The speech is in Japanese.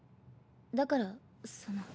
だからその。